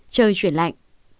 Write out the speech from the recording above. trời chuyển lạnh